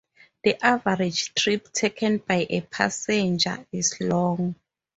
The average trip taken by a passenger is long.